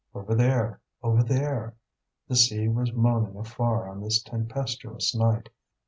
Over there, over there! The sea was moaning afar on this tempestuous night.